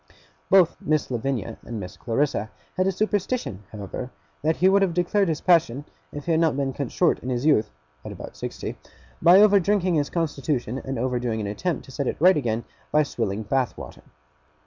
Both Miss Lavinia and Miss Clarissa had a superstition, however, that he would have declared his passion, if he had not been cut short in his youth (at about sixty) by over drinking his constitution, and over doing an attempt to set it right again by swilling Bath water.